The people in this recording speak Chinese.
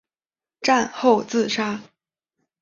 战后自杀。